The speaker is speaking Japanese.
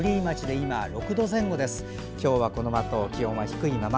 今日はこのあと、気温は低いまま。